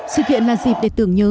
sự kiện là dịp để tưởng nhớ